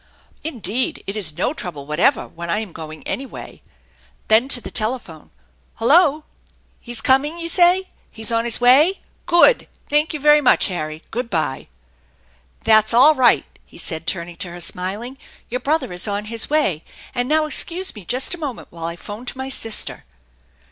" Indeed, it is no trouble whatever when I am going any way." Then to the telephone :" Hello ! He's coming, you say? He's on his way? Good. Thank you very much, Harry. Good by !"" That's all right !" he said, turning to her, smiling. "Your brother is on his way, and now excuse me just a moment while I phone to my sister."